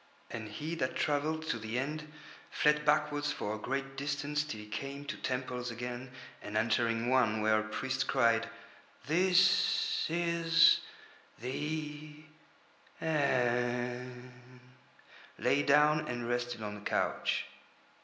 And he that travelled to the End fled backwards for a great distance till he came to temples again, and entering one where a priest cried: "This is the End," lay down and rested on a couch.